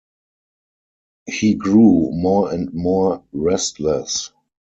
He grew more and more restless.